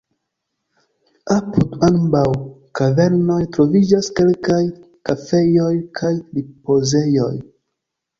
Apud ambaŭ kavernoj troviĝas kelkaj kafejoj kaj ripozejoj.